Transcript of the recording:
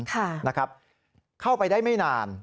ค่ะนะครับเข้าไปได้ไม่นาน